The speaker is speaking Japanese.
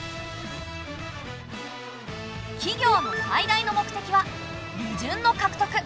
企業の最大の目的は利潤の獲得。